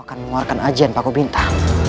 aku akan mengeluarkan ajian yang aku minta